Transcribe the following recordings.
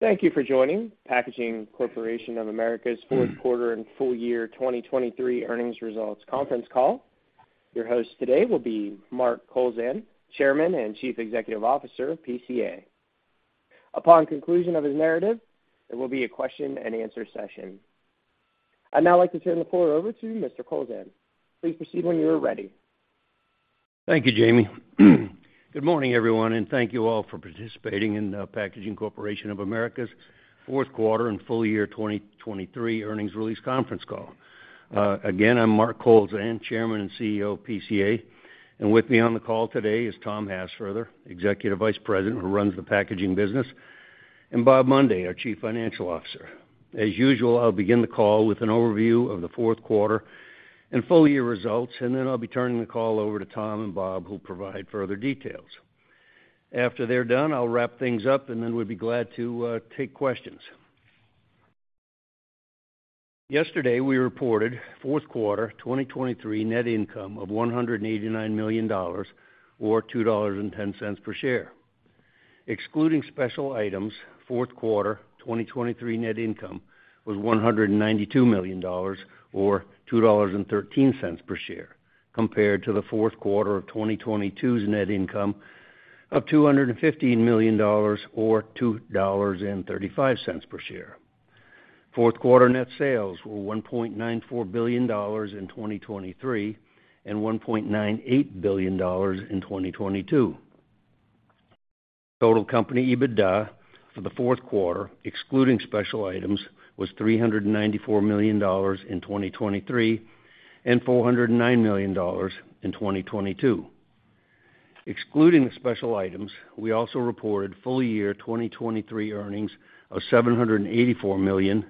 Thank you for joining Packaging Corporation of America's fourth quarter and full year 2023 earnings results conference call. Your host today will be Mark Kowlzan, Chairman and Chief Executive Officer of PCA. Upon conclusion of his narrative, there will be a question-and-answer session. I'd now like to turn the floor over to Mr. Kowlzan. Please proceed when you are ready. Thank you, Jamie. Good morning, everyone, and thank you all for participating in the Packaging Corporation of America's fourth quarter and full year 2023 earnings release conference call. Again, I'm Mark Kowlzan, Chairman and CEO of PCA, and with me on the call today is Tom Hassfurther, Executive Vice President, who runs the packaging business, and Bob Mundy, our Chief Financial Officer. As usual, I'll begin the call with an overview of the fourth quarter and full year results, and then I'll be turning the call over to Tom and Bob, who'll provide further details. After they're done, I'll wrap things up, and then we'd be glad to take questions. Yesterday, we reported fourth quarter 2023 net income of $189 million or $2.10 per share. Excluding special items, fourth quarter 2023 net income was $192 million or $2.13 per share, compared to the fourth quarter of 2022's net income of $215 million or $2.35 per share. Fourth quarter net sales were $1.94 billion in 2023, and $1.98 billion in 2022. Total company EBITDA for the fourth quarter, excluding special items, was $394 million in 2023, and $409 million in 2022. Excluding the special items, we also reported full year 2023 earnings of $784 million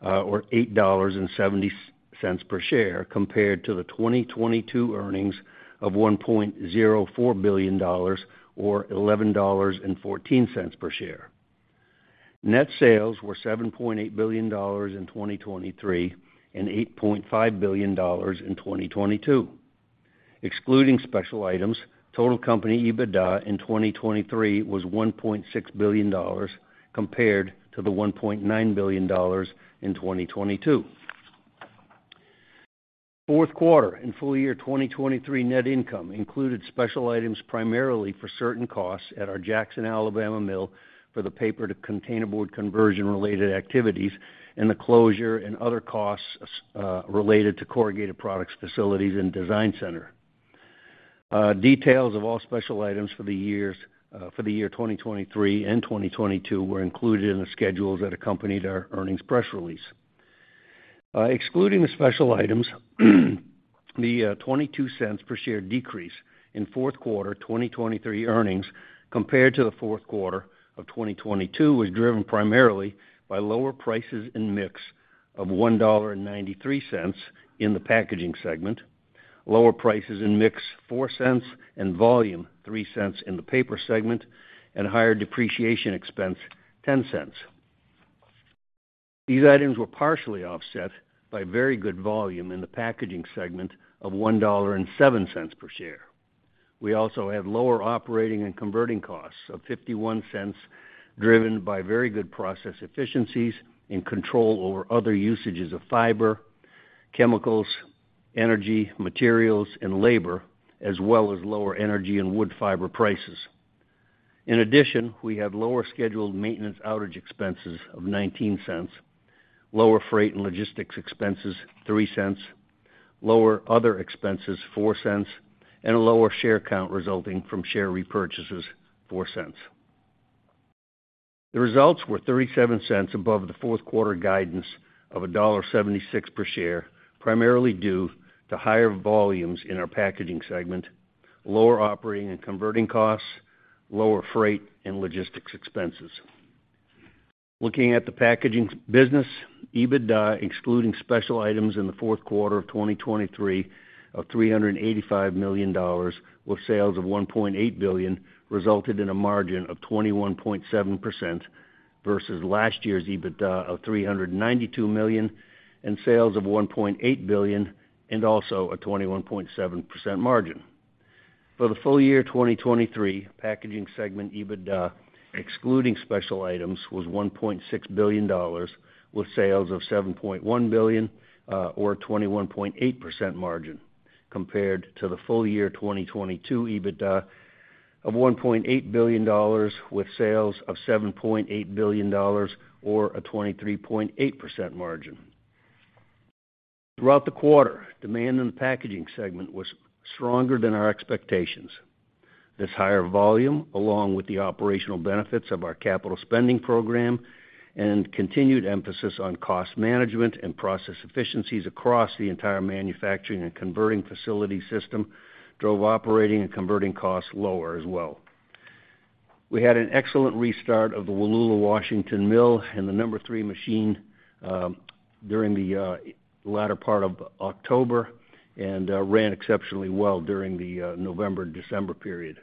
or $8.70 per share, compared to the 2022 earnings of $1.04 billion or $11.14 per share. Net sales were $7.8 billion in 2023 and $8.5 billion in 2022. Excluding special items, total company EBITDA in 2023 was $1.6 billion, compared to the $1.9 billion in 2022. Fourth quarter and full year 2023 net income included special items, primarily for certain costs at our Jackson, Alabama mill, for the paper to containerboard conversion-related activities, and the closure and other costs related to corrugated products, facilities, and design center. Details of all special items for the years, for the year 2023 and 2022 were included in the schedules that accompanied our earnings press release. Excluding the special items, $0.22 per share decrease in fourth quarter 2023 earnings compared to the fourth quarter of 2022, was driven primarily by lower prices and mix of $1.93 in the packaging segment, lower prices and mix $0.04 and volume $0.03 in the paper segment, and higher depreciation expense $0.10. These items were partially offset by very good volume in the packaging segment of $1.07 per share. We also had lower operating and converting costs of $0.51, driven by very good process efficiencies and control over other usages of fiber, chemicals, energy, materials, and labor, as well as lower energy and wood fiber prices. In addition, we have lower scheduled maintenance outage expenses of $0.19, lower freight and logistics expenses $0.03, lower other expenses $0.04, and a lower share count resulting from share repurchases $0.04. The results were $0.37 above the fourth quarter guidance of $1.76 per share, primarily due to higher volumes in our packaging segment, lower operating and converting costs, lower freight and logistics expenses. Looking at the packaging business, EBITDA, excluding special items in the fourth quarter of 2023 of $385 million, with sales of $1.8 billion, resulted in a margin of 21.7% versus last year's EBITDA of $392 million and sales of $1.8 billion, and also a 21.7% margin. For the full year 2023, packaging segment EBITDA, excluding special items, was $1.6 billion, with sales of $7.1 billion, or a 21.8% margin, compared to the full year 2022 EBITDA of $1.8 billion, with sales of $7.8 billion or a 23.8% margin. Throughout the quarter, demand in the packaging segment was stronger than our expectations. This higher volume, along with the operational benefits of our capital spending program and continued emphasis on cost management and process efficiencies across the entire manufacturing and converting facility system, drove operating and converting costs lower as well. We had an excellent restart of the Wallula, Washington mill and the No. 3 machine during the latter part of October, and ran exceptionally well during the November, December period.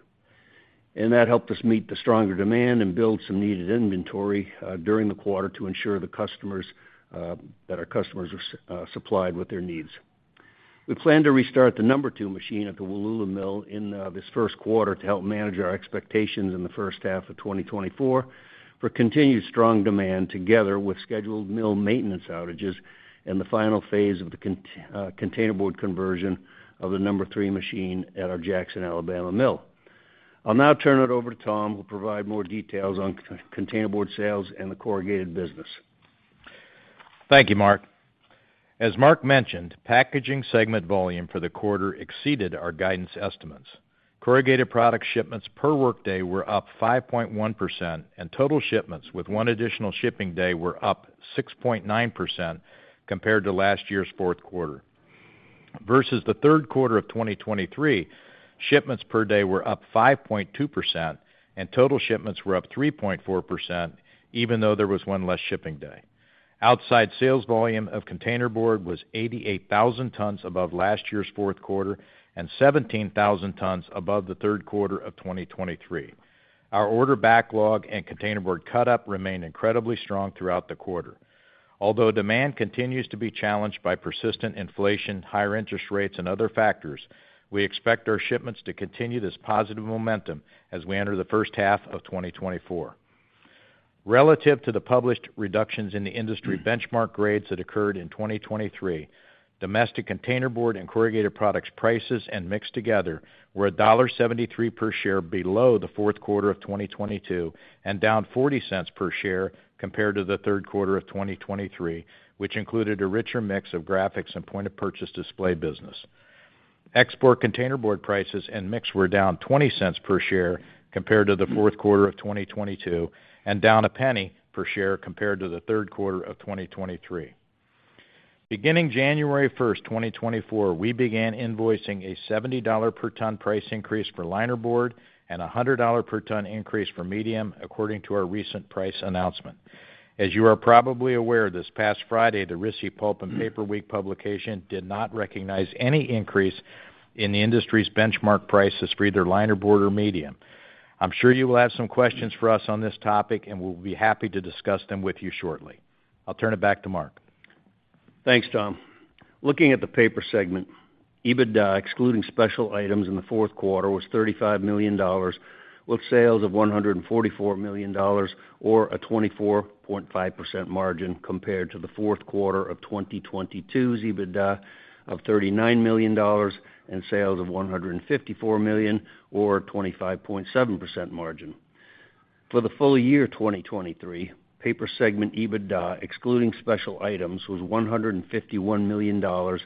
That helped us meet the stronger demand and build some needed inventory during the quarter to ensure the customers that our customers are supplied with their needs. We plan to restart the No. 2 machine at the Wallula Mill in this first quarter to help manage our expectations in the first half of 2024, for continued strong demand, together with scheduled mill maintenance outages and the final phase of the containerboard conversion of the No. 3 machine at our Jackson, Alabama mill. I'll now turn it over to Tom, who'll provide more details on containerboard sales and the corrugated business. Thank you, Mark. As Mark mentioned, packaging segment volume for the quarter exceeded our guidance estimates. Corrugated product shipments per workday were up 5.1%, and total shipments with one additional shipping day were up 6.9% compared to last year's fourth quarter. Versus the third quarter of 2023, shipments per day were up 5.2%, and total shipments were up 3.4%, even though there was one less shipping day. Outside sales volume of containerboard was 88,000 tons above last year's fourth quarter and 17,000 tons above the third quarter of 2023. Our order backlog and containerboard cut-up remained incredibly strong throughout the quarter. Although demand continues to be challenged by persistent inflation, higher interest rates, and other factors, we expect our shipments to continue this positive momentum as we enter the first half of 2024. Relative to the published reductions in the industry benchmark grades that occurred in 2023, domestic containerboard and corrugated products prices and mix together were $1.73 per share below the fourth quarter of 2022, and down $0.40 per share compared to the third quarter of 2023, which included a richer mix of graphics and point-of-purchase display business. Export containerboard prices and mix were down $0.20 per share compared to the fourth quarter of 2022, and down $0.01 per share compared to the third quarter of 2023. Beginning January 1st, 2024, we began invoicing a $70 per ton price increase for linerboard and a $100 per ton increase for medium according to our recent price announcement. As you are probably aware, this past Friday, the RISI Pulp & Paper Week publication did not recognize any increase in the industry's benchmark prices for either linerboard or medium. I'm sure you will have some questions for us on this topic, and we'll be happy to discuss them with you shortly. I'll turn it back to Mark. Thanks, Tom. Looking at the paper segment, EBITDA, excluding special items in the fourth quarter, was $35 million, with sales of $144 million, or a 24.5% margin, compared to the fourth quarter of 2022's EBITDA of $39 million and sales of $154 million, or 25.7% margin. For the full year 2023, paper segment EBITDA, excluding special items, was $151 million,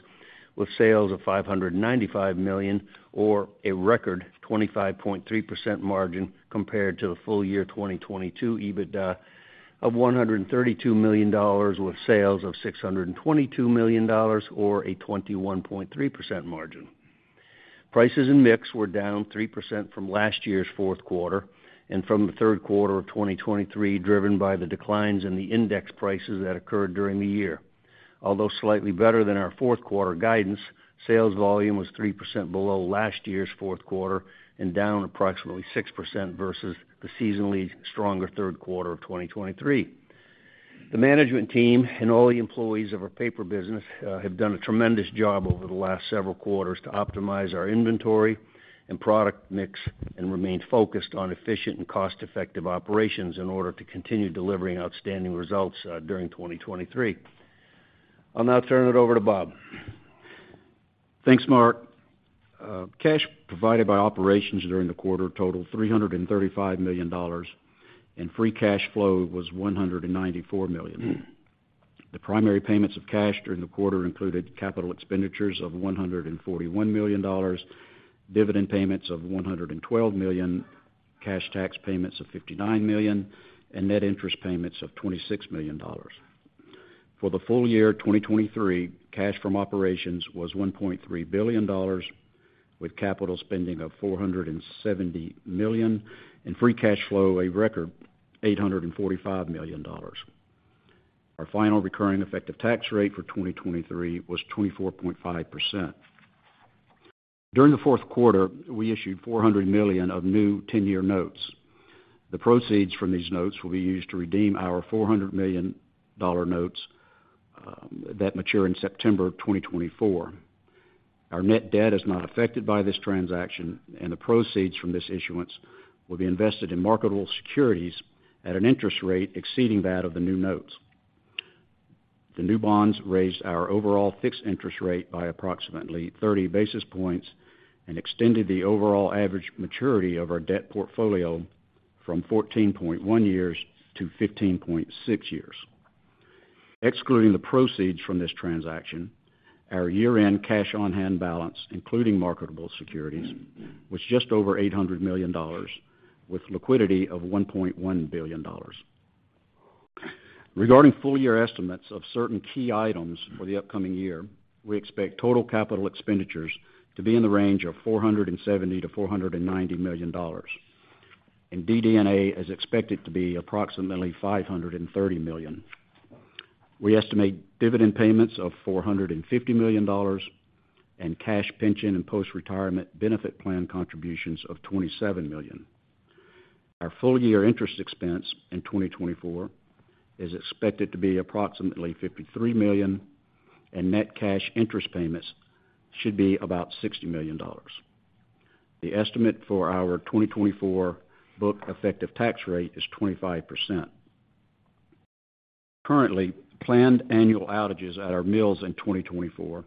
with sales of $595 million, or a record 25.3% margin, compared to the full year 2022 EBITDA of $132 million, with sales of $622 million, or a 21.3% margin. Prices and mix were down 3% from last year's fourth quarter and from the third quarter of 2023, driven by the declines in the index prices that occurred during the year. Although slightly better than our fourth quarter guidance, sales volume was 3% below last year's fourth quarter and down approximately 6% versus the seasonally stronger third quarter of 2023. The management team and all the employees of our paper business have done a tremendous job over the last several quarters to optimize our inventory and product mix and remain focused on efficient and cost-effective operations in order to continue delivering outstanding results during 2023. I'll now turn it over to Bob. Thanks, Mark. Cash provided by operations during the quarter totaled $335 million, and free cash flow was $194 million. The primary payments of cash during the quarter included capital expenditures of $141 million, dividend payments of $112 million, cash tax payments of $59 million, and net interest payments of $26 million. For the full year 2023, cash from operations was $1.3 billion, with capital spending of $470 million, and free cash flow, a record $845 million. Our final recurring effective tax rate for 2023 was 24.5%. During the fourth quarter, we issued $400 million of new ten-year notes. The proceeds from these notes will be used to redeem our $400 million notes that mature in September of 2024. Our net debt is not affected by this transaction, and the proceeds from this issuance will be invested in marketable securities at an interest rate exceeding that of the new notes. The new bonds raised our overall fixed interest rate by approximately 30 basis points and extended the overall average maturity of our debt portfolio from 14.1 years to 15.6 years. Excluding the proceeds from this transaction, our year-end cash on hand balance, including marketable securities, was just over $800 million, with liquidity of $1.1 billion. Regarding full-year estimates of certain key items for the upcoming year, we expect total capital expenditures to be in the range of $470 million-$490 million, and DD&A is expected to be approximately $530 million. We estimate dividend payments of $450 million and cash pension and post-retirement benefit plan contributions of $27 million. Our full-year interest expense in 2024 is expected to be approximately $53 million, and net cash interest payments should be about $60 million. The estimate for our 2024 book effective tax rate is 25%. Currently, planned annual outages at our mills in 2024,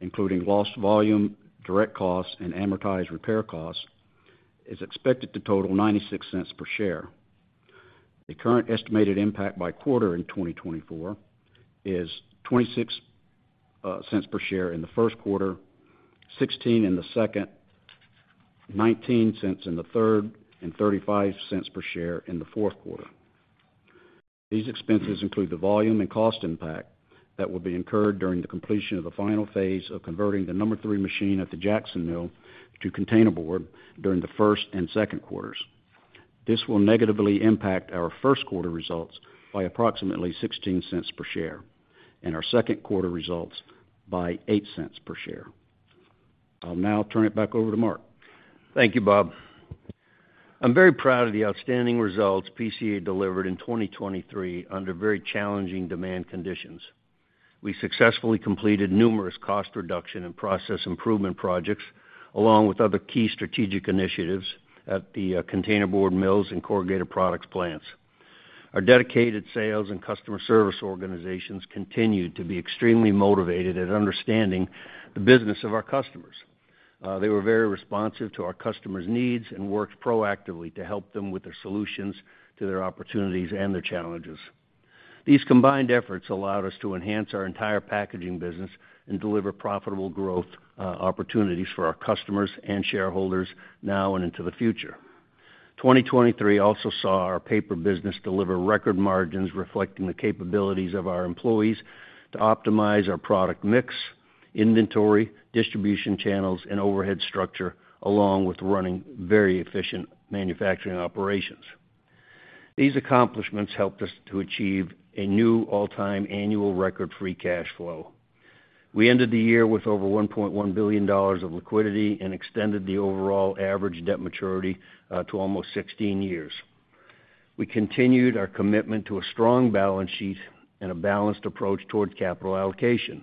including lost volume, direct costs, and amortized repair costs, is expected to total $0.96 per share. The current estimated impact by quarter in 2024 is $0.26 per share in the first quarter, $0.16 in the second, $0.19 in the third, and $0.35 per share in the fourth quarter. These expenses include the volume and cost impact that will be incurred during the completion of the final phase of converting the No. 3 machine at the Jackson Mill to containerboard during the first and second quarters. This will negatively impact our first quarter results by approximately $0.16 per share and our second quarter results by $0.08 per share. I'll now turn it back over to Mark. Thank you, Bob. I'm very proud of the outstanding results PCA delivered in 2023 under very challenging demand conditions. We successfully completed numerous cost reduction and process improvement projects, along with other key strategic initiatives at the containerboard mills and corrugated products plants. Our dedicated sales and customer service organizations continued to be extremely motivated at understanding the business of our customers. They were very responsive to our customers' needs and worked proactively to help them with their solutions to their opportunities and their challenges. These combined efforts allowed us to enhance our entire packaging business and deliver profitable growth opportunities for our customers and shareholders now and into the future. 2023 also saw our paper business deliver record margins, reflecting the capabilities of our employees to optimize our product mix, inventory, distribution channels, and overhead structure, along with running very efficient manufacturing operations. These accomplishments helped us to achieve a new all-time annual record free cash flow. We ended the year with over $1.1 billion of liquidity and extended the overall average debt maturity to almost 16 years. We continued our commitment to a strong balance sheet and a balanced approach toward capital allocation.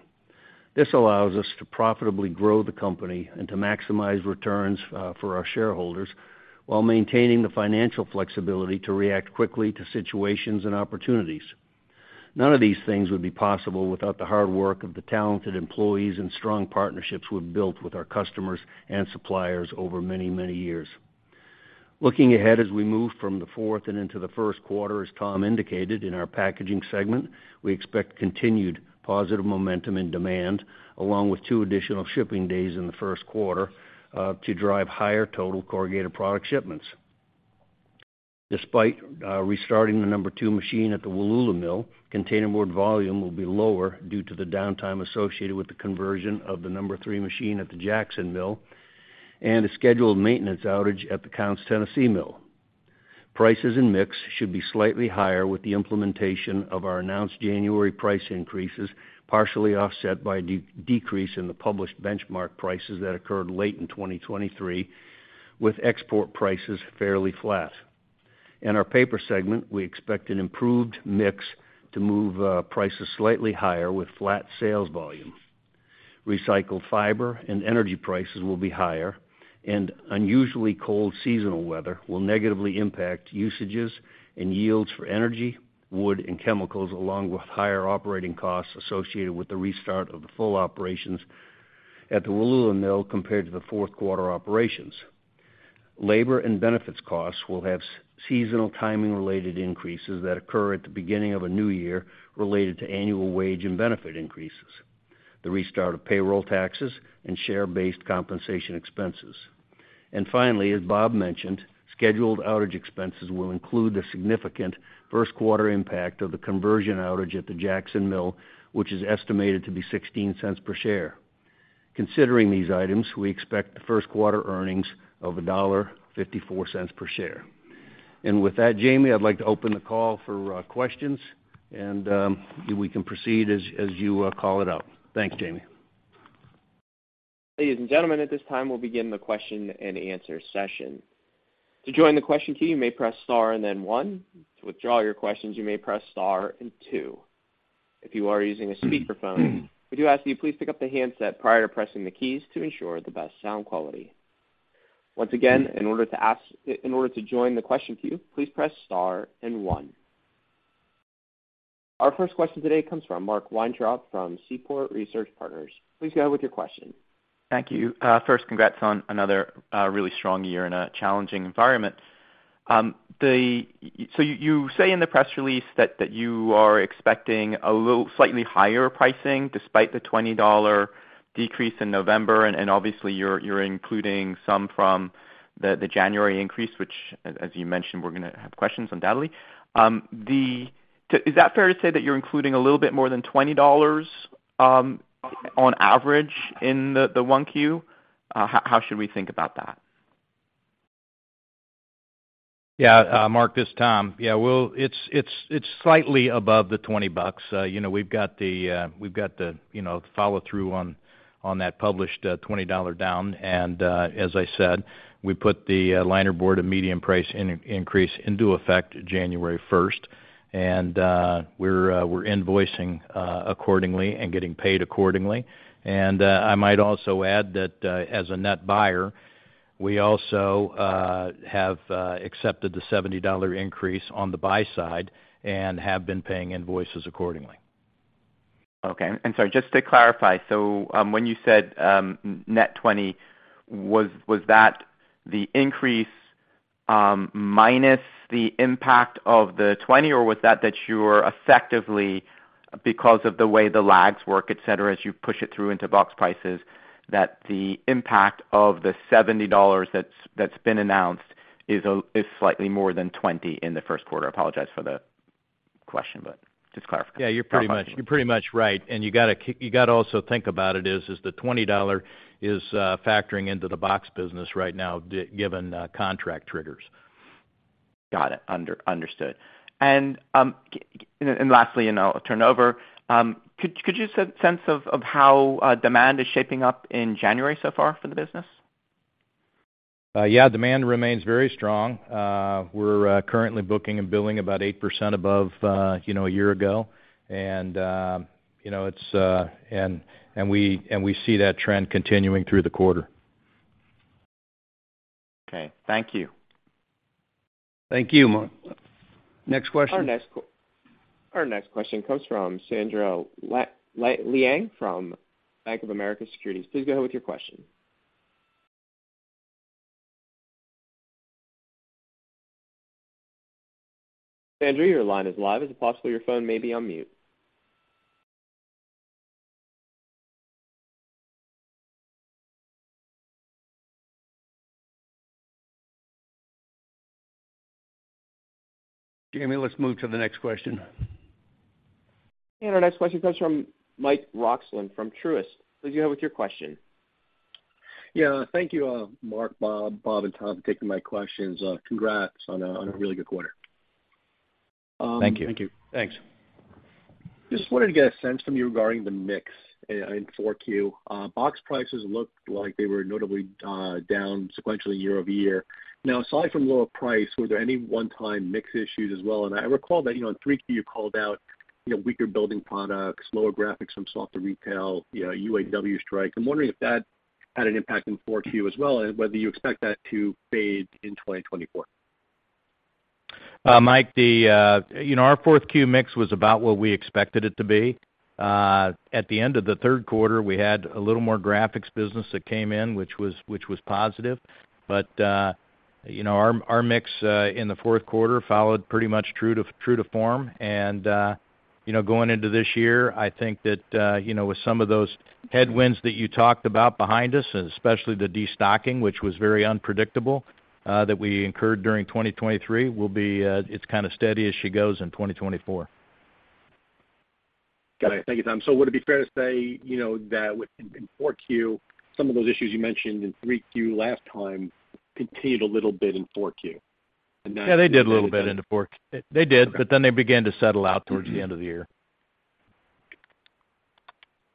This allows us to profitably grow the company and to maximize returns for our shareholders, while maintaining the financial flexibility to react quickly to situations and opportunities. None of these things would be possible without the hard work of the talented employees and strong partnerships we've built with our customers and suppliers over many, many years. Looking ahead, as we move from the fourth and into the first quarter, as Tom indicated in our packaging segment, we expect continued positive momentum and demand, along with two additional shipping days in the first quarter, to drive higher total corrugated product shipments. Despite restarting the No. 2 machine at the Wallula Mill, containerboard volume will be lower due to the downtime associated with the conversion of the No. 3 machine at the Jackson Mill and a scheduled maintenance outage at the Counce, Tennessee mill. Prices and mix should be slightly higher with the implementation of our announced January price increases, partially offset by a decrease in the published benchmark prices that occurred late in 2023, with export prices fairly flat. In our paper segment, we expect an improved mix to move prices slightly higher with flat sales volume. Recycled fiber and energy prices will be higher, and unusually cold seasonal weather will negatively impact usages and yields for energy, wood, and chemicals, along with higher operating costs associated with the restart of the full operations at the Wallula Mill compared to the fourth quarter operations. Labor and benefits costs will have seasonal timing-related increases that occur at the beginning of a new year related to annual wage and benefit increases, the restart of payroll taxes and share-based compensation expenses. And finally, as Bob mentioned, scheduled outage expenses will include the significant first quarter impact of the conversion outage at the Jackson Mill, which is estimated to be $0.16 per share. Considering these items, we expect the first quarter earnings of $1.54 per share. With that, Jamie, I'd like to open the call for questions, and we can proceed as you call it out. Thanks, Jamie. Ladies and gentlemen, at this time, we'll begin the question-and-answer session. To join the question queue, you may press star and then one. To withdraw your questions, you may press star and two. If you are using a speakerphone, we do ask that you please pick up the handset prior to pressing the keys to ensure the best sound quality. Once again, in order to join the question queue, please press star and one. Our first question today comes from Marc Weintraub from Seaport Research Partners. Please go ahead with your question. Thank you. First, congrats on another really strong year in a challenging environment. So you say in the press release that you are expecting a little slightly higher pricing despite the $20 decrease in November, and obviously, you're including some from the January increase, which as you mentioned, we're gonna have questions on, undoubtedly. Is that fair to say that you're including a little bit more than $20 on average in the 1Q? How should we think about that? Yeah, Marc, this is Tom. Yeah, well, it's slightly above the $20. You know, we've got the follow-through on that published $20 down, and as I said, we put the linerboard and medium price increase into effect January 1st. And we're invoicing accordingly and getting paid accordingly. And I might also add that, as a net buyer, we also have accepted the $70 increase on the buy side and have been paying invoices accordingly. Okay. And so just to clarify, when you said net $20, was that the increase minus the impact of the $20, or was that that you're effectively, because of the way the lags work, et cetera, as you push it through into box prices, that the impact of the $70 that's been announced is slightly more than $20 in the first quarter? I apologize for the question, but just clarification. Yeah, you're pretty much, you're pretty much right. And you gotta also think about it is the $20 is factoring into the box business right now, given contract triggers. Got it. Understood. And, and lastly, and I'll turn over. Could you give a sense of how demand is shaping up in January so far for the business? Yeah, demand remains very strong. We're currently booking and billing about 8% above, you know, a year ago. And, you know, it's... And we see that trend continuing through the quarter. Okay, thank you. Thank you, Marc. Next question? Our next question comes from Sandra Liang from Bank of America Securities. Please go ahead with your question. Sandra, your line is live. Is it possible your phone may be on mute? Jamie, let's move to the next question. Our next question comes from Mike Roxland from Truist. Please go ahead with your question. Yeah. Thank you, Mark, Bob, Bob, and Tom, for taking my questions. Congrats on a, on a really good quarter. Thank you. Thank you. Thanks. Just wanted to get a sense from you regarding the mix in 4Q. Box prices looked like they were notably down sequentially year-over-year. Now, aside from lower price, were there any one-time mix issues as well? And I recall that, you know, in 3Q, you called out, you know, weaker building products, lower graphics from softer retail, you know, UAW strike. I'm wondering if that had an impact in 4Q as well, and whether you expect that to fade in 2024. Mike, the, you know, our 4Q mix was about what we expected it to be. At the end of the third quarter, we had a little more graphics business that came in, which was, which was positive. But, you know, our, our mix in the fourth quarter followed pretty much true to, true to form. And, you know, going into this year, I think that, you know, with some of those headwinds that you talked about behind us, especially the destocking, which was very unpredictable, that we incurred during 2023, will be, it's kind of steady as she goes in 2024. Got it. Thank you, Tom. So would it be fair to say, you know, that in 4Q, some of those issues you mentioned in 3Q last time continued a little bit in 4Q? And that. Yeah, they did a little bit into fourth. They did, but then they began to settle out towards the end of the year.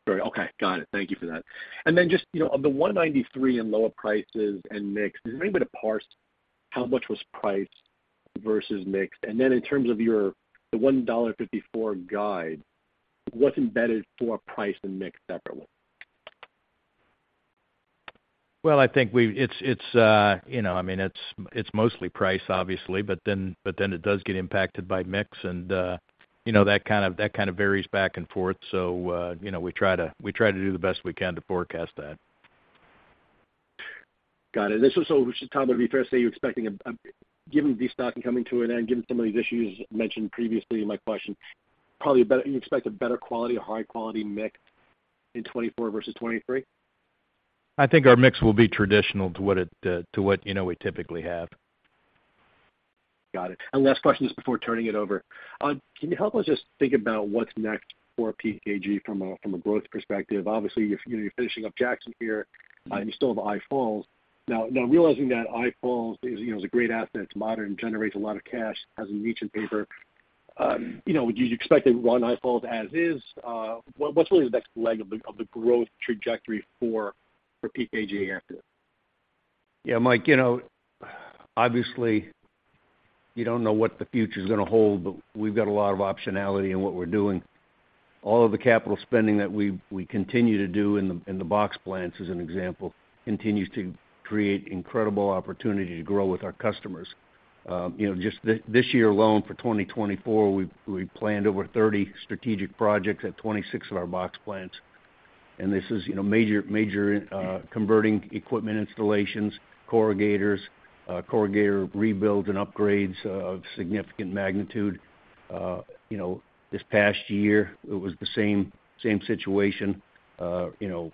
Great. Okay, got it. Thank you for that. And then just, you know, of the $193 in lower prices and mix, is there any way to parse how much was price versus mix? And then in terms of your, the $1.54 guide, what's embedded for price and mix separately? Well, I think we've, it's, it's, you know, I mean, it's, it's mostly price, obviously, but then, but then it does get impacted by mix and, you know, that kind of, that kind of varies back and forth. So, you know, we try to, we try to do the best we can to forecast that. Got it. And also, so Tom, would it be fair to say you're expecting, given destocking coming to an end, given some of these issues mentioned previously in my question, probably a better, you expect a better quality, a high quality mix in 2024 versus 2023? I think our mix will be traditional to what it, to what, you know, we typically have. Got it. And last question just before turning it over. Can you help us just think about what's next for PKG from a growth perspective? Obviously, you're, you know, you're finishing up Jackson here, you still have International Falls. Now, realizing that International Falls is, you know, a great asset, it's modern, generates a lot of cash, has a niche in paper, you know, would you expect to run International Falls as is? What's really the next leg of the growth trajectory for PKG after this? Yeah, Mike, you know, obviously, you don't know what the future is gonna hold, but we've got a lot of optionality in what we're doing. All of the capital spending that we continue to do in the box plants, as an example, continues to create incredible opportunity to grow with our customers. You know, just this year alone, for 2024, we planned over 30 strategic projects at 26 of our box plants. And this is, you know, major converting equipment installations, corrugators, corrugator rebuilds and upgrades of significant magnitude. You know, this past year, it was the same situation. You know,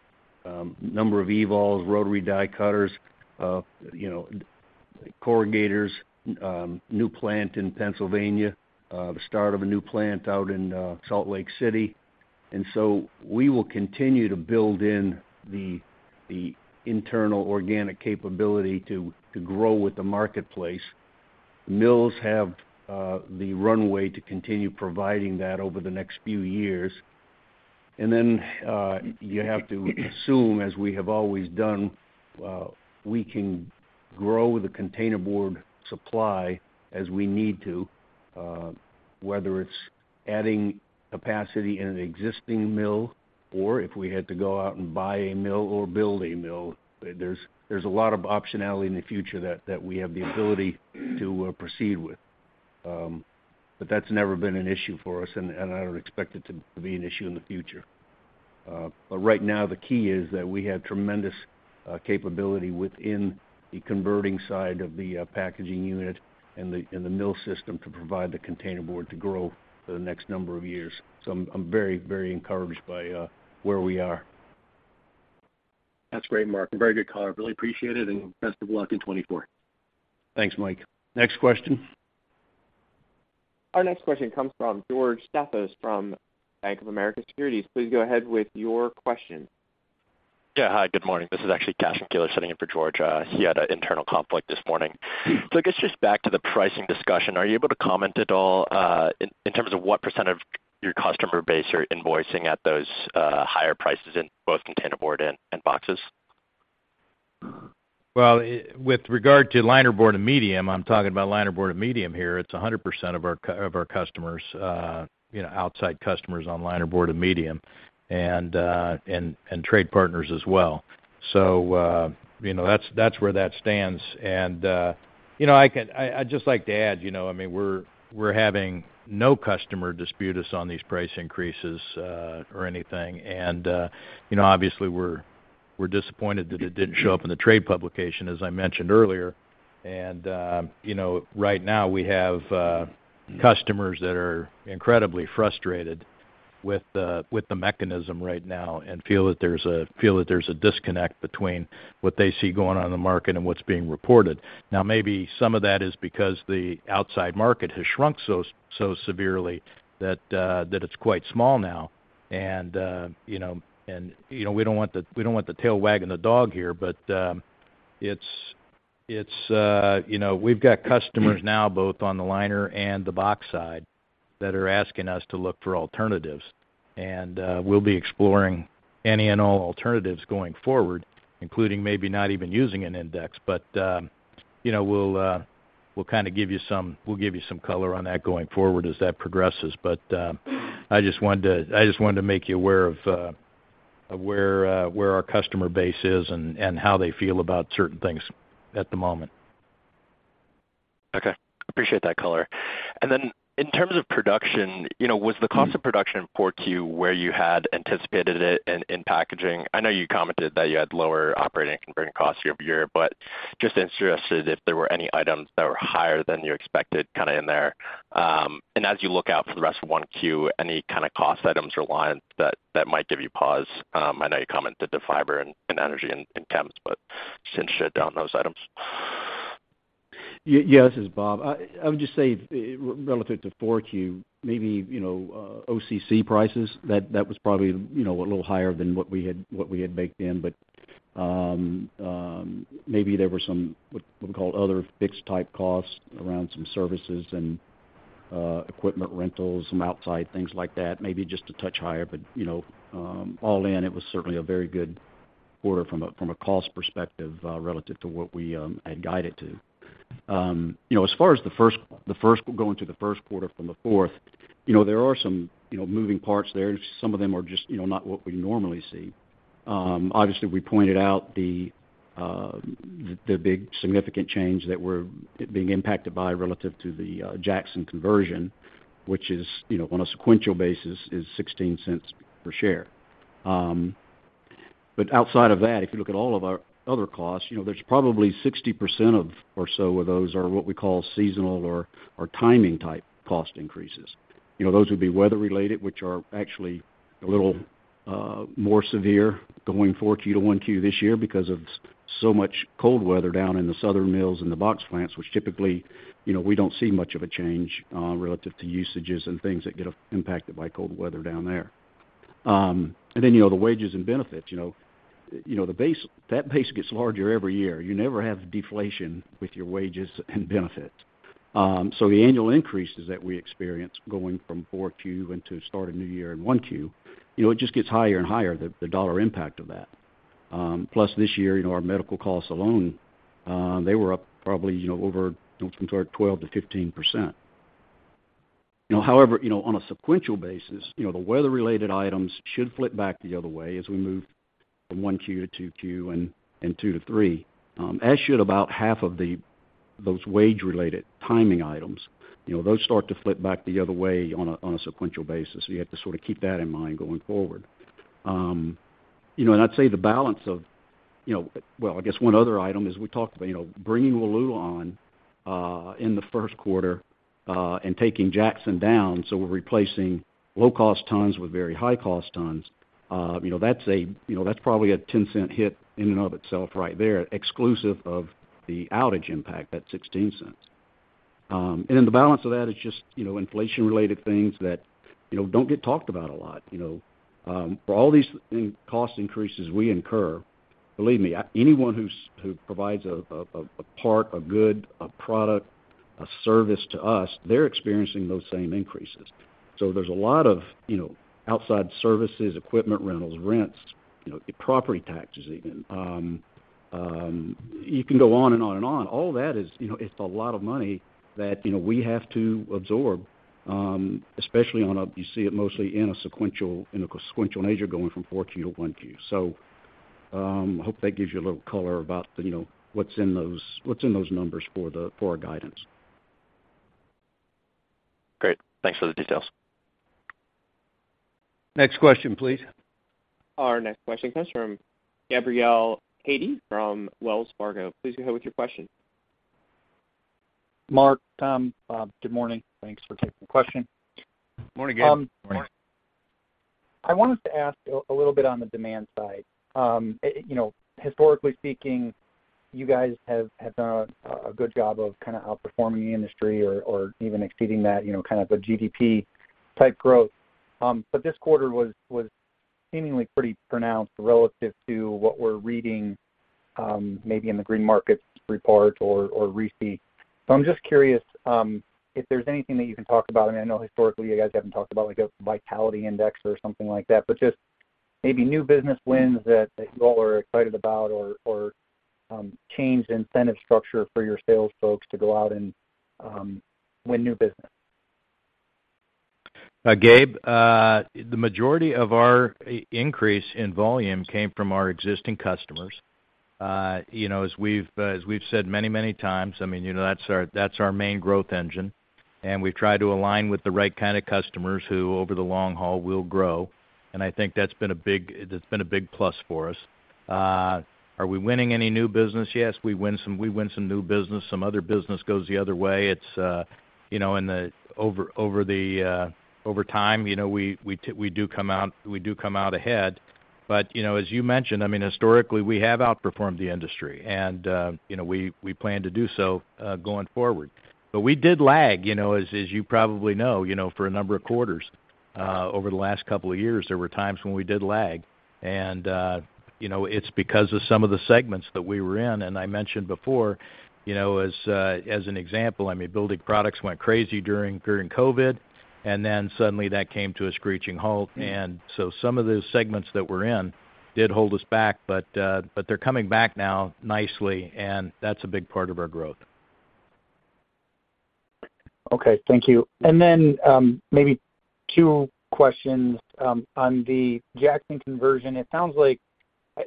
number of evals, rotary die cutters, you know, corrugators, new plant in Pennsylvania, the start of a new plant out in Salt Lake City. And so we will continue to build in the internal organic capability to grow with the marketplace. Mills have the runway to continue providing that over the next few years. And then you have to assume, as we have always done, we can grow the container board supply as we need to, whether it's adding capacity in an existing mill or if we had to go out and buy a mill or build a mill. There's a lot of optionality in the future that we have the ability to proceed with. But that's never been an issue for us, and I don't expect it to be an issue in the future. But right now, the key is that we have tremendous capability within the converting side of the packaging unit and the mill system to provide the containerboard to grow for the next number of years. So I'm very, very encouraged by where we are. That's great, Mark. A very good color. Really appreciate it, and best of luck in 2024. Thanks, Mike. Next question. Our next question comes from George Staphos from Bank of America Securities. Please go ahead with your question. Yeah. Hi, good morning. This is actually Cashen Keeler sitting in for George Staphos. He had an internal conflict this morning. So I guess just back to the pricing discussion, are you able to comment at all, in terms of what percent of your customer base you're invoicing at those higher prices in both containerboard and boxes? Well, with regard to linerboard and medium, I'm talking about linerboard and medium here, it's 100% of our customers, you know, outside customers on linerboard and medium, and trade partners as well. So, you know, that's where that stands. And, you know, I can, I'd just like to add, you know, I mean, we're having no customer dispute us on these price increases, or anything. And, you know, obviously, we're disappointed that it didn't show up in the trade publication, as I mentioned earlier. And, you know, right now, we have customers that are incredibly frustrated with the mechanism right now and, feel that there's a, feel that there's a disconnect between what they see going on in the market and what's being reported. Now, maybe some of that is because the outside market has shrunk so severely that it's quite small now. And you know, we don't want the tail wagging the dog here, but it's, you know, we've got customers now, both on the liner and the box side, that are asking us to look for alternatives. And we'll be exploring any and all alternatives going forward, including maybe not even using an index. But you know, we'll kind of give you some, we'll give you some color on that going forward as that progresses. But I just wanted to make you aware of where our customer base is and how they feel about certain things at the moment. Okay. Appreciate that color. And then in terms of production, you know, was the cost of production in 4Q where you had anticipated it in packaging? I know you commented that you had lower operating and converting costs year-over-year, but just interested if there were any items that were higher than you expected, kind of, in there. And as you look out for the rest of 1Q, any kind of cost items or lines that might give you pause? I know you commented on fiber and energy and trends, but just shed light on those items. Yes, this is Bob. I would just say, relative to 4Q, maybe, you know, OCC prices, that was probably, you know, a little higher than what we had baked in. But, maybe there were some, what we call other fixed-type costs around some services and equipment rentals, some outside things like that, maybe just a touch higher. But, you know, all in, it was certainly a very good quarter from a cost perspective, relative to what we had guided to. You know, as far as the first, the first-going to the first quarter from the fourth, you know, there are some moving parts there. Some of them are just, you know, not what we normally see. Obviously, we pointed out the big significant change that we're being impacted by relative to the Jackson conversion, which is, you know, on a sequential basis, $0.16 per share. But outside of that, if you look at all of our other costs, you know, there's probably 60% or so of those are what we call seasonal or timing-type cost increases. You know, those would be weather related, which are actually a little more severe going 4Q to 1Q this year because of so much cold weather down in the southern mills and the box plants, which typically, you know, we don't see much of a change relative to usages and things that get impacted by cold weather down there. And then, you know, the wages and benefits. You know, you know, the base—that base gets larger every year. You never have deflation with your wages and benefits. So the annual increases that we experience going from 4Q into start a new year in 1Q, you know, it just gets higher and higher, the dollar impact of that. Plus, this year, you know, our medical costs alone, they were up probably, you know, over, you know, somewhere 12%-15%. You know, however, you know, on a sequential basis, you know, the weather-related items should flip back the other way as we move from 1Q to 2Q, and 2Q to 3Q, as should about half of those wage-related timing items. You know, those start to flip back the other way on a sequential basis, so you have to sort of keep that in mind going forward. You know, and I'd say the balance of. Well, I guess one other item is we talked about, you know, bringing Wallula on in the first quarter, and taking Jackson down. So we're replacing low-cost tons with very high-cost tons. You know, that's probably a $0.10 hit in and of itself right there, exclusive of the outage impact, that's $0.16. And then the balance of that is just, you know, inflation-related things that, you know, don't get talked about a lot, you know. For all these cost increases we incur, believe me, anyone who provides a part, a good, a product, a service to us, they're experiencing those same increases. So there's a lot of, you know, outside services, equipment, rentals, rents, you know, property taxes even. You can go on and on and on. All that is, you know, it's a lot of money that, you know, we have to absorb, especially on a, you see it mostly in a sequential nature, going from 4Q to 1Q. So, I hope that gives you a little color about, you know, what's in those numbers for our guidance. Great. Thanks for the details. Next question, please. Our next question comes from Gabrial Hajde from Wells Fargo. Please go ahead with your question. Mark, Tom, Bob, good morning. Thanks for taking the question. Morning, Gabe. Morning. Morning. I wanted to ask a little bit on the demand side. You know, historically speaking, you guys have done a good job of kind of outperforming the industry or even exceeding that, you know, kind of a GDP-type growth. But this quarter was seemingly pretty pronounced relative to what we're reading, maybe in the Green Markets report or RISI. So I'm just curious, if there's anything that you can talk about. I mean, I know historically, you guys haven't talked about, like, a vitality index or something like that, but just maybe new business wins that you all are excited about, or changed incentive structure for your sales folks to go out and win new business. Gabe, the majority of our increase in volume came from our existing customers. You know, as we've, as we've said many, many times, I mean, you know, that's our, that's our main growth engine, and we try to align with the right kind of customers who, over the long haul, will grow. And I think that's been a big plus for us. Are we winning any new business? Yes, we win some, we win some new business. Some other business goes the other way. It's, you know, in the over the, over time, you know, we do come out, we do come out ahead. But, you know, as you mentioned, I mean, historically, we have outperformed the industry, and, you know, we plan to do so going forward. But we did lag, you know, as you probably know, you know, for a number of quarters over the last couple of years, there were times when we did lag. And you know, it's because of some of the segments that we were in, and I mentioned before, you know, as an example, I mean, building products went crazy during COVID, and then suddenly that came to a screeching halt. And so some of those segments that we're in did hold us back, but they're coming back now nicely, and that's a big part of our growth. Okay. Thank you. And then, maybe two questions. On the Jackson conversion, it sounds like, I,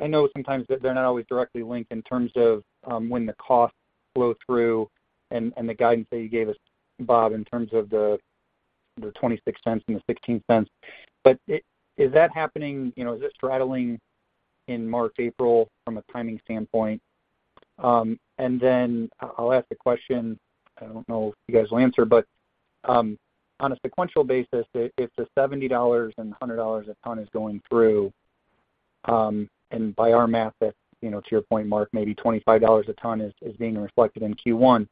I know sometimes that they're not always directly linked in terms of, when the costs flow through and, and the guidance that you gave us, Bob, in terms of the, the $0.26 and the $0.16. But is that happening, you know, is this straddling in March, April from a timing standpoint? And then I'll ask the question, I don't know if you guys will answer, but, on a sequential basis, if the $70 and $100 a ton is going through, and by our math, that, you know, to your point, Mark, maybe $25 a ton is, is being reflected in Q1,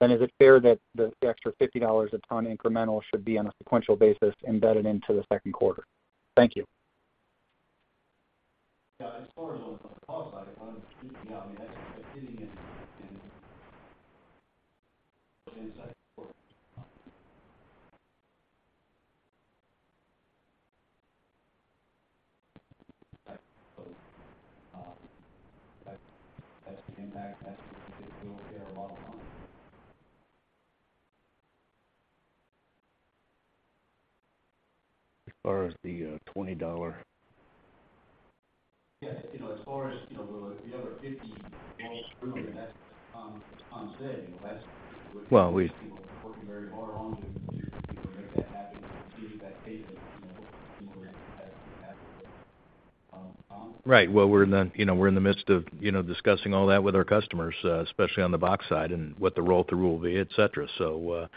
then is it fair that the extra $50 a ton incremental should be on a sequential basis embedded into the second quarter? Thank you. Yeah, as far as on the cost side, you know, I mean, that's, that's hitting us in, in... As far as the $20... Yeah. You know, as far as, you know, the other $50 through, and that's on, say, you know, that's... Well, we... Working very hard on making that happen. Getting that taken, you know, more as... Right. Well, we're in the, you know, we're in the midst of, you know, discussing all that with our customers, especially on the box side and what the roll through will be, et cetera. So,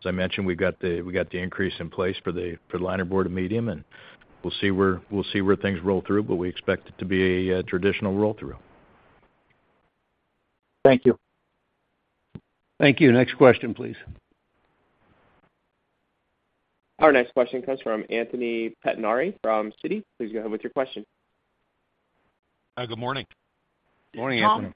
as I mentioned, we've got the, we got the increase in place for the, for the linerboard and medium, and we'll see where, we'll see where things roll through, but we expect it to be a traditional roll through. Thank you. Thank you. Next question, please. Our next question comes from Anthony Pettinari from Citi. Please go ahead with your question. Good morning. Morning, Anthony.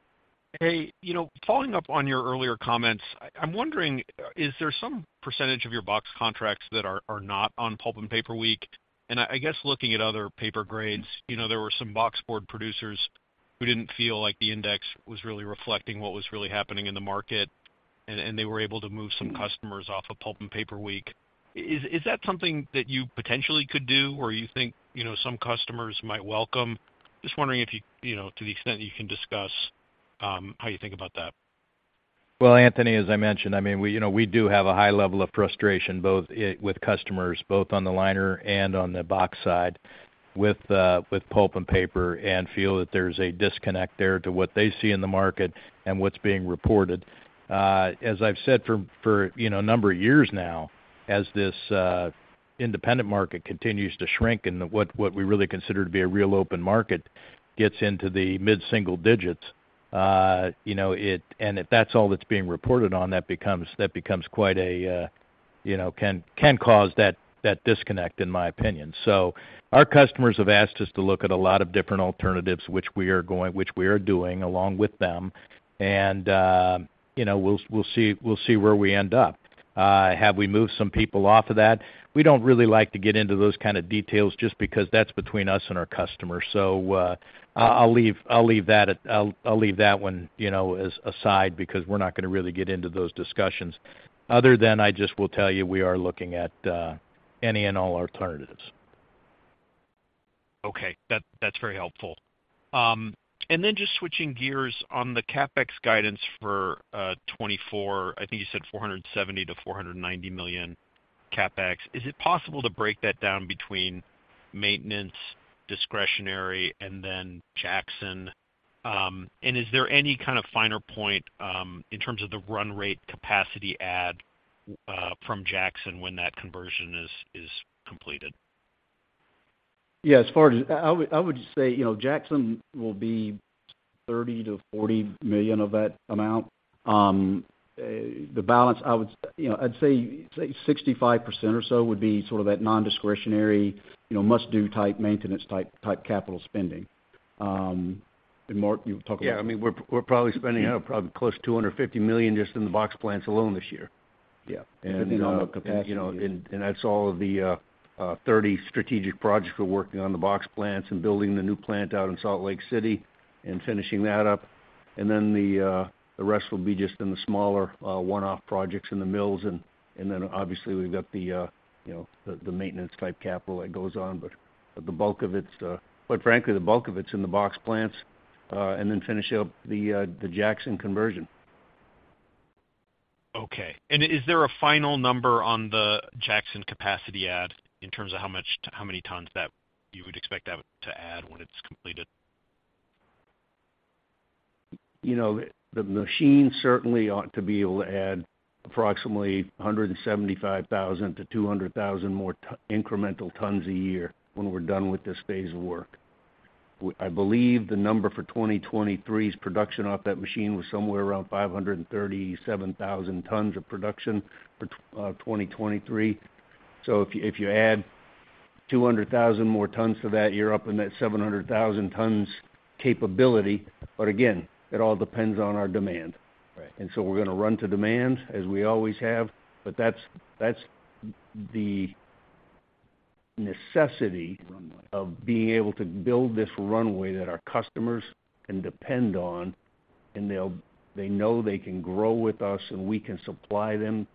Tom, hey, you know, following up on your earlier comments, I'm wondering, is there some percentage of your box contracts that are not on Pulp and Paper Week? And I guess looking at other paper grades, you know, there were some boxboard producers who didn't feel like the index was really reflecting what was really happening in the market, and they were able to move some customers off of Pulp and Paper Week. Is that something that you potentially could do, or you think, you know, some customers might welcome? Just wondering if you, you know, to the extent you can discuss, how you think about that. Well, Anthony, as I mentioned, I mean, we, you know, we do have a high level of frustration, both with customers, both on the liner and on the box side, with pulp and paper, and feel that there's a disconnect there to what they see in the market and what's being reported. As I've said for you know a number of years now, as this independent market continues to shrink, and what we really consider to be a real open market gets into the mid-single digits, you know, and if that's all that's being reported on, that becomes quite a you know can cause that disconnect, in my opinion. So our customers have asked us to look at a lot of different alternatives, which we are doing along with them. And, you know, we'll see where we end up. Have we moved some people off of that? We don't really like to get into those kind of details just because that's between us and our customers. So, I'll leave that one, you know, as aside, because we're not gonna really get into those discussions, other than I just will tell you, we are looking at any and all alternatives. Okay. That, that's very helpful. And then just switching gears on the CapEx guidance for 2024, I think you said $470 million-$490 million CapEx. Is it possible to break that down between maintenance, discretionary, and then Jackson? And is there any kind of finer point, in terms of the run rate capacity add, from Jackson when that conversion is, is completed? Yeah, as far as, I would just say, you know, Jackson will be $30 million-$40 million of that amount. The balance, I would, you know, I'd say 65% or so would be sort of that non-discretionary, you know, must-do type, maintenance-type capital spending. And Mark, you talk about. Yeah, I mean, we're probably spending probably close to $250 million just in the box plants alone this year. Yeah, depending on the capacity. You know, that's all of the 30 strategic projects we're working on the box plants and building the new plant out in Salt Lake City and finishing that up. And then the rest will be just in the smaller, one-off projects in the mills. And then obviously, we've got you know, the maintenance type capital that goes on, but the bulk of it's, but frankly, the bulk of it's in the box plants, and then finishing up the Jackson conversion. Okay. Is there a final number on the Jackson capacity add, in terms of how much, how many tons that you would expect that to add when it's completed? You know, the machine certainly ought to be able to add approximately 175,000-200,000 more incremental tons a year when we're done with this phase of work. I believe the number for 2023's production off that machine was somewhere around 537,000 tons of production for 2023. So if you, if you add 200,000 more tons to that, you're up in that 700,000 tons capability. But again, it all depends on our demand. Right. And so we're gonna run to demand, as we always have, but that's, that's the necessity. Runway. Of being able to build this runway that our customers can depend on, and they'll they know they can grow with us, and we can supply them,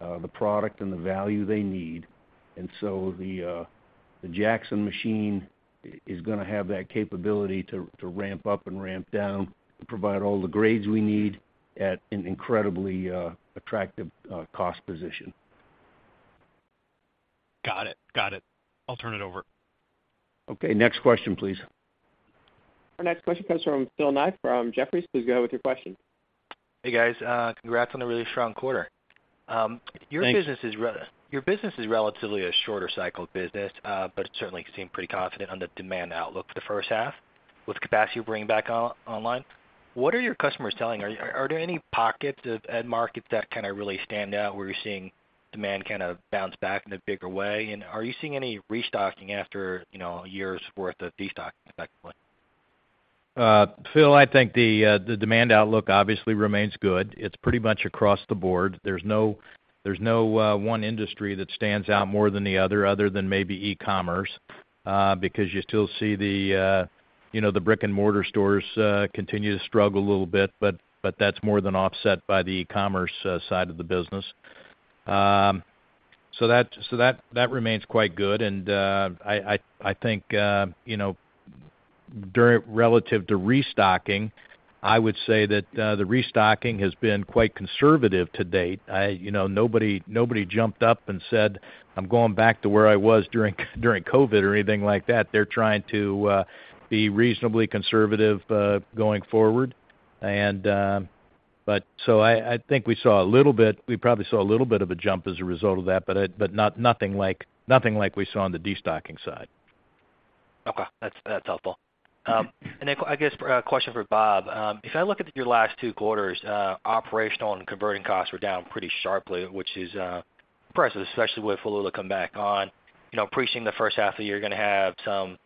the product and the value they need. And so the, the Jackson machine is gonna have that capability to, to ramp up and ramp down, to provide all the grades we need at an incredibly, attractive, cost position. Got it. Got it. I'll turn it over. Okay, next question, please. Our next question comes from Philip Ng from Jefferies. Please go ahead with your question. Hey, guys. Congrats on a really strong quarter. Thanks. Your business is relatively a shorter cycle business, but it certainly seemed pretty confident on the demand outlook for the first half with capacity bringing back online. What are your customers telling you? Are there any pockets of markets that kind of really stand out, where you're seeing demand kind of bounce back in a bigger way? And are you seeing any restocking after, you know, a year's worth of destocking, effectively? Phil, I think the demand outlook obviously remains good. It's pretty much across the board. There's no one industry that stands out more than the other, other than maybe e-commerce, because you still see the, you know, the brick-and-mortar stores continue to struggle a little bit, but that's more than offset by the e-commerce side of the business. So that remains quite good. And I think, you know, relative to restocking, I would say that the restocking has been quite conservative to date. You know, nobody jumped up and said, "I'm going back to where I was during COVID," or anything like that. They're trying to be reasonably conservative going forward. I think we probably saw a little bit of a jump as a result of that, but nothing like, nothing like we saw on the destocking side. Okay. That's, that's helpful. And then, I guess, a question for Bob. If I look at your last two quarters, operational and converting costs were down pretty sharply, which is impressive, especially with Wallula coming back on. You know, entering the first half of the year, you're gonna have some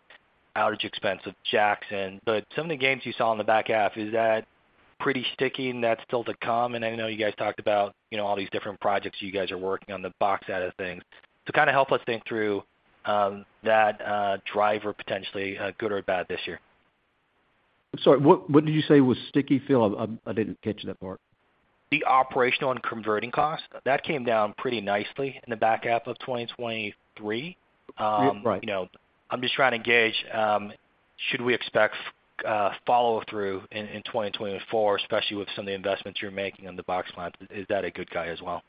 outage expense with Jackson, but some of the gains you saw in the back half, is that pretty sticky, and that's still to come? And I know you guys talked about, you know, all these different projects you guys are working on the box side of things. So kind of help us think through that driver, potentially good or bad this year. I'm sorry, what did you say was sticky, Phil? I didn't catch that part. The operational and converting cost, that came down pretty nicely in the back half of 2023. Right. You know, I'm just trying to gauge, should we expect follow through in 2024, especially with some of the investments you're making on the box plant? Is that a good guy as well?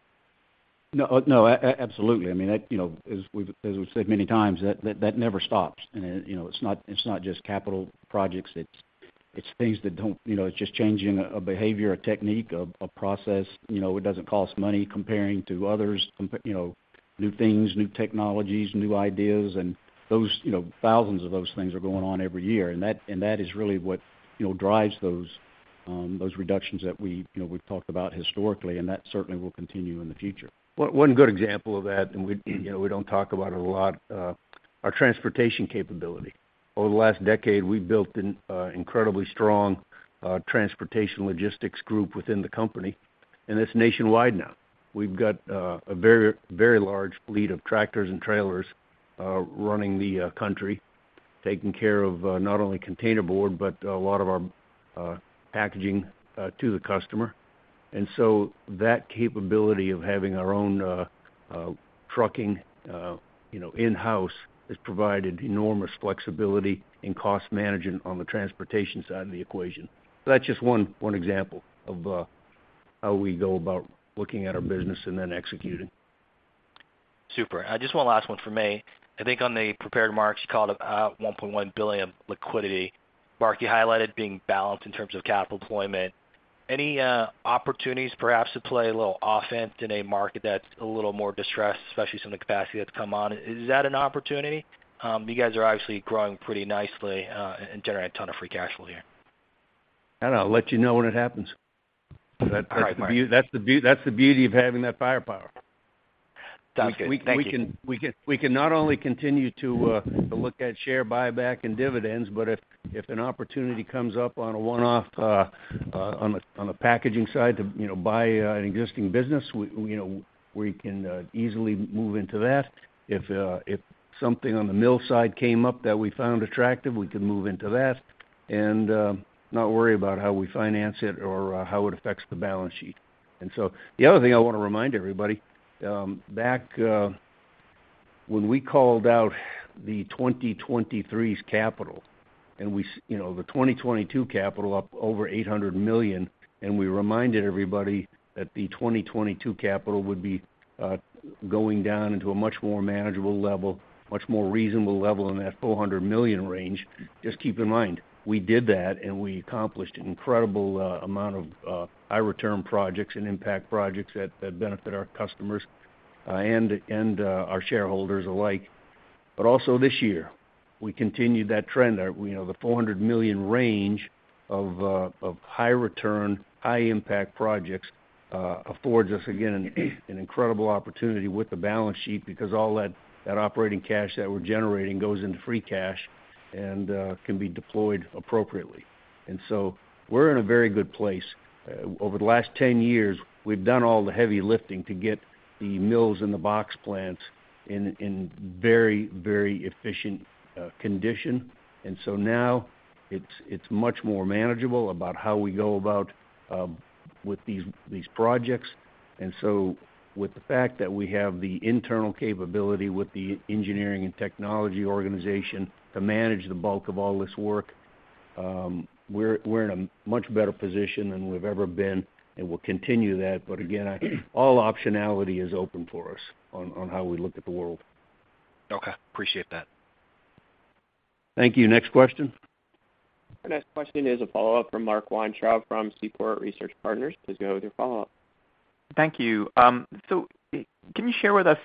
No, no, absolutely. I mean, that, you know, as we've said many times, that never stops. And, you know, it's not just capital projects, it's things that don't, you know, it's just changing a behavior, a technique, a process. You know, it doesn't cost money comparing to others, you know, new things, new technologies, new ideas, and those, you know, thousands of those things are going on every year. And that is really what, you know, drives those reductions that we, you know, we've talked about historically, and that certainly will continue in the future. One, one good example of that, and we, you know, we don't talk about it a lot, our transportation capability. Over the last decade, we've built an incredibly strong transportation logistics group within the company, and it's nationwide now. We've got a very, very large fleet of tractors and trailers, running the country, taking care of not only containerboard, but a lot of our packaging to the customer. And so that capability of having our own trucking, you know, in-house has provided enormous flexibility and cost management on the transportation side of the equation. So that's just one, one example of how we go about looking at our business and then executing. Super. Just one last one from me. I think on the prepared remarks, you called out $1.1 billion liquidity. Mark, you highlighted being balanced in terms of capital deployment. Any opportunities perhaps to play a little offense in a market that's a little more distressed, especially some of the capacity that's come on? Is that an opportunity? You guys are obviously growing pretty nicely and generating a ton of free cash flow here. I don't know. I'll let you know when it happens. All right, Mark. That's the beauty of having that firepower. Sounds good. Thank you. We can not only continue to look at share buyback and dividends, but if an opportunity comes up on a one-off, on the packaging side to, you know, buy an existing business, we, you know, we can easily move into that. If something on the mill side came up that we found attractive, we could move into that and not worry about how we finance it or how it affects the balance sheet. And so the other thing I wanna remind everybody, back when we called out the 2023's capital and we, you know, the 2022 capital up over $800 million, and we reminded everybody that the 2022 capital would be going down into a much more manageable level, much more reasonable level in that $400 million range. Just keep in mind, we did that, and we accomplished an incredible amount of high-return projects and impact projects that benefit our customers and our shareholders alike. But also this year, we continued that trend. We know the $400 million range of high return, high impact projects affords us, again, an incredible opportunity with the balance sheet because all that operating cash that we're generating goes into free cash and can be deployed appropriately. And so we're in a very good place. Over the last 10 years, we've done all the heavy lifting to get the mills and the box plants in very efficient condition. And so now it's much more manageable about how we go about with these projects. And so with the fact that we have the internal capability with the engineering and technology organization to manage the bulk of all this work, we're in a much better position than we've ever been, and we'll continue that. But again, all optionality is open for us on how we look at the world. Okay, appreciate that. Thank you. Next question. The next question is a follow-up from Marc Weintraub from Seaport Research Partners. Please go with your follow-up. Thank you. So can you share with us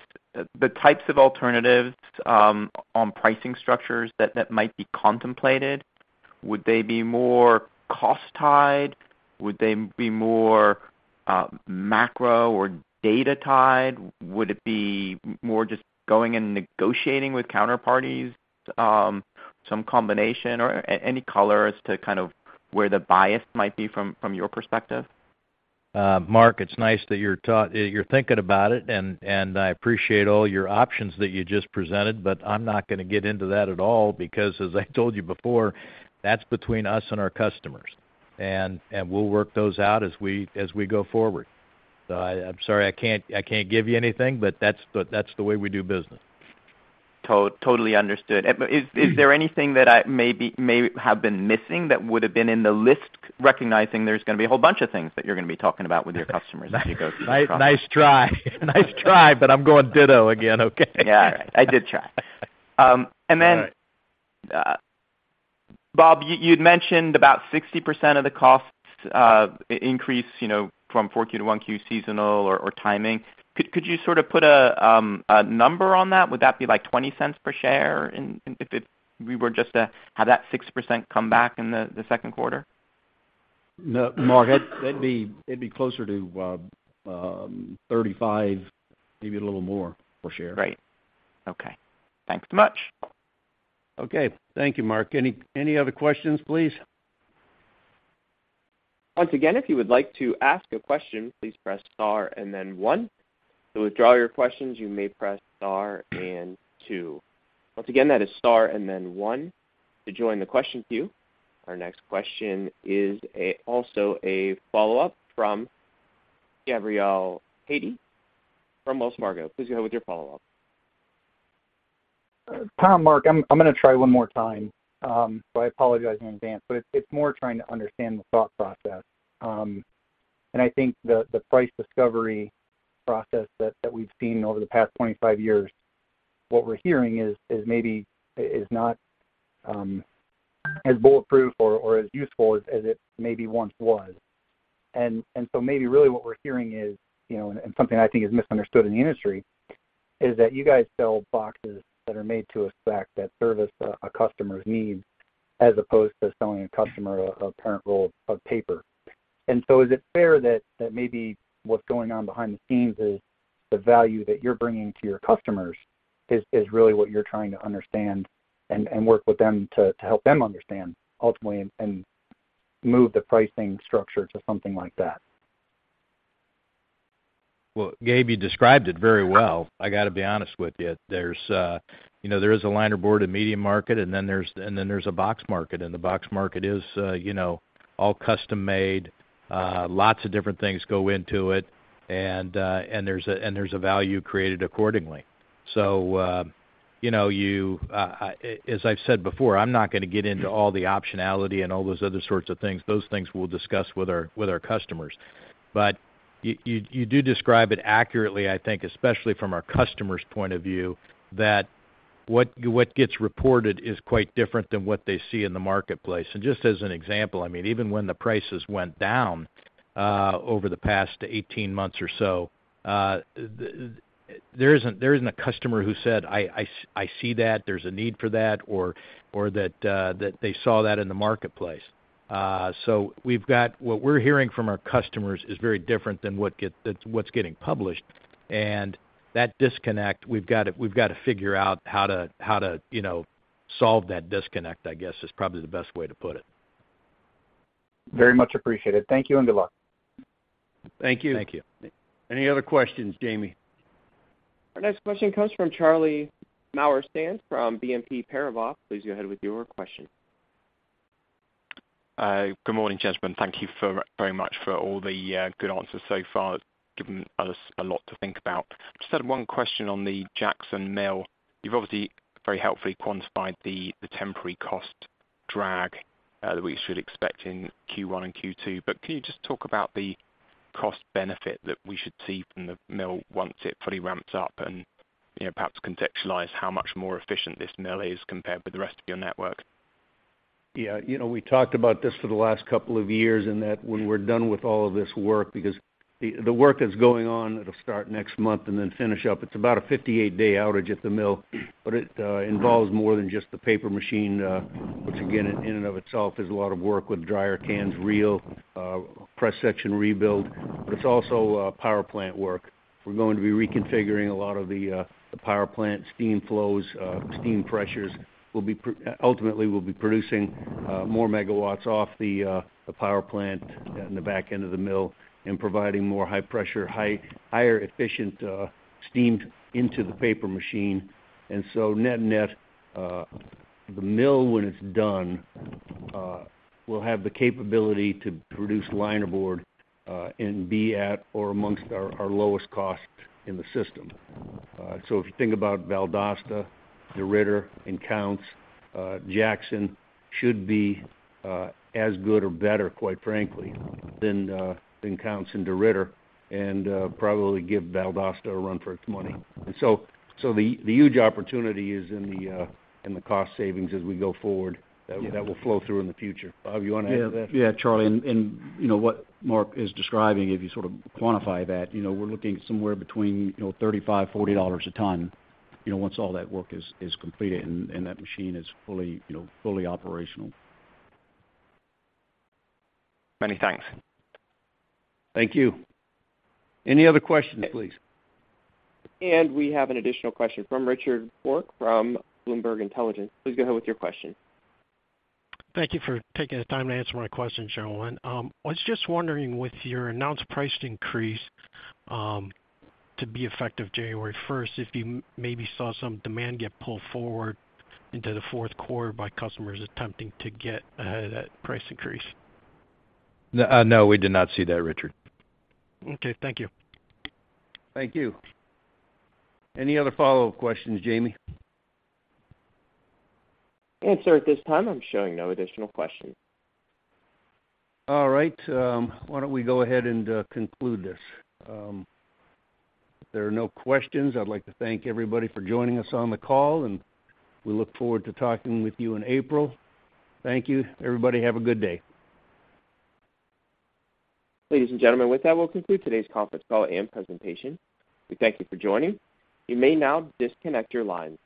the types of alternatives on pricing structures that, that might be contemplated? Would they be more cost tied? Would they be more macro or data tied? Would it be more just going and negotiating with counterparties some combination, or any color as to kind of where the bias might be from, from your perspective? Marc, it's nice that you're thinking about it, and I appreciate all your options that you just presented, but I'm not gonna get into that at all, because as I told you before, that's between us and our customers. And we'll work those out as we go forward. So I'm sorry, I can't give you anything, but that's the way we do business. Totally understood. But is there anything that I may have been missing that would have been in the list, recognizing there's gonna be a whole bunch of things that you're gonna be talking about with your customers as you go through the process? Nice try. Nice try, but I'm going ditto again, okay? Yeah, I did try. And then... All right. Bob, you'd mentioned about 60% of the costs increase, you know, from 4Q-1Q, seasonal or timing. Could you sort of put a number on that? Would that be like $0.20 per share if it -- we were just to have that 6% come back in the second quarter? No, Marc, that'd be, it'd be closer to $35, maybe a little more per share. Great. Okay. Thanks so much. Okay. Thank you, Marc. Any other questions, please? Once again, if you would like to ask a question, please press star and then one. To withdraw your questions, you may press star and two. Once again, that is star and then one to join the question queue. Our next question is also a follow-up from Gabe Hajde from Wells Fargo. Please go ahead with your follow-up. Tom, Mark, I'm, I'm gonna try one more time, but I apologize in advance, but it's, it's more trying to understand the thought process. And I think the, the price discovery process that, that we've seen over the past 25 years, what we're hearing is, is maybe is, is not, as bulletproof or, or as useful as, as it maybe once was. And, and so maybe really what we're hearing is, you know, and, and something I think is misunderstood in the industry, is that you guys sell boxes that are made to a spec that service a, a, customer's needs, as opposed to selling a customer, a, a current roll of paper. And so is it fair that, that maybe what's going on behind the scenes is the value that you're bringing to your customers is, is really what you're trying to understand and, and work with them to, to help them understand, ultimately, and, and move the pricing structure to something like that? Well, Gabe, you described it very well. I gotta be honest with you. There's, you know, there is a linerboard and medium market, and then there's a box market. And the box market is, you know, all custom-made, lots of different things go into it, and there's a value created accordingly. So, you know, you... As I've said before, I'm not gonna get into all the optionality and all those other sorts of things. Those things we'll discuss with our customers. But you do describe it accurately, I think, especially from our customer's point of view, that what gets reported is quite different than what they see in the marketplace. And just as an example, I mean, even when the prices went down over the past 18 months or so, there isn't, there isn't a customer who said, "I see that, there's a need for that," or that they saw that in the marketplace. So we've got, what we're hearing from our customers is very different than what get, than what's getting published. And that disconnect, we've gotta, we've gotta figure out how to, how to, you know, solve that disconnect, I guess, is probably the best way to put it. Very much appreciated. Thank you, and good luck. Thank you. Thank you. Any other questions, Jamie? Our next question comes from Charlie Muir-Sands from BNP Paribas. Please go ahead with your question. Good morning, gentlemen. Thank you very much for all the good answers so far. Given us a lot to think about. Just had one question on the Jackson mill. You've obviously very helpfully quantified the temporary cost drag that we should expect in Q1 and Q2, but can you just talk about the cost benefit that we should see from the mill once it fully ramps up? And, you know, perhaps contextualize how much more efficient this mill is compared with the rest of your network. Yeah. You know, we talked about this for the last couple of years, and that when we're done with all of this work, because the work that's going on, it'll start next month and then finish up. It's about a 58-day outage at the mill, but it involves more than just the paper machine, which again, in and of itself, is a lot of work with dryer cans, reel, press section rebuild, but it's also power plant work. We're going to be reconfiguring a lot of the power plant steam flows, steam pressures. We'll be ultimately, we'll be producing more megawatts off the power plant in the back end of the mill and providing more high pressure, high, higher efficient steam into the paper machine. And so net-net, the mill, when it's done, will have the capability to produce linerboard, and be at or amongst our, our lowest cost in the system. So if you think about Valdosta, DeRidder and Counce, Jackson should be, as good or better, quite frankly, than, than Counce and DeRidder, and, probably give Valdosta a run for its money. And so, so the, the huge opportunity is in the, in the cost savings as we go forward. That, that will flow through in the future. Bob, you want to add to that? Yeah, yeah, Charlie, and you know what Mark is describing, if you sort of quantify that, you know, we're looking somewhere between, you know, $35-$40 a ton, you know, once all that work is completed and that machine is fully, you know, fully operational. Many thanks. Thank you. Any other questions, please? We have an additional question from Richard Bourke from Bloomberg Intelligence. Please go ahead with your question. Thank you for taking the time to answer my question, gentlemen. I was just wondering, with your announced price increase, to be effective January 1st, if you maybe saw some demand get pulled forward into the fourth quarter by customers attempting to get that price increase? No, we did not see that, Richard. Okay, thank you. Thank you. Any other follow-up questions, Jamie? Sir, at this time, I'm showing no additional questions. All right, why don't we go ahead and conclude this? If there are no questions, I'd like to thank everybody for joining us on the call, and we look forward to talking with you in April. Thank you. Everybody, have a good day. Ladies and gentlemen, with that, we'll conclude today's conference call and presentation. We thank you for joining. You may now disconnect your lines.